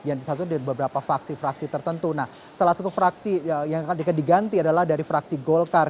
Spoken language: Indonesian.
nah salah satu fraksi yang akan diganti adalah dari fraksi golkar